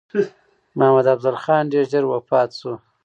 محمدافضل خان ډېر ژر وفات شو.